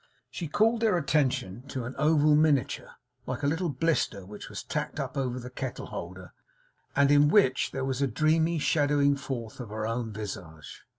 She called their attention to an oval miniature, like a little blister, which was tacked up over the kettle holder, and in which there was a dreamy shadowing forth of her own visage.